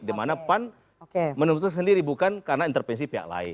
dimana pan menutup sendiri bukan karena intervensi pihak lain